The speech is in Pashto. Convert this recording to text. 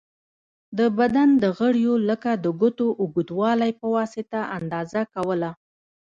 د بدن د غړیو لکه د ګوتو اوږوالی په واسطه اندازه کوله.